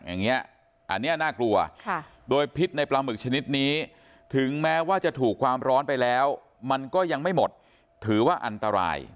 อย่างนี้อันนี้น่ากลัวโดยพิษในปลาหมึกชนิดนี้ถึงแม้ว่าจะถูกความร้อนไปแล้วมันก็ยังไม่หมดถือว่าอันตราย